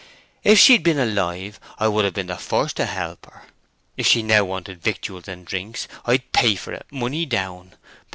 If she'd been alive, I would have been the first to help her. If she now wanted victuals and drink, I'd pay for it, money down.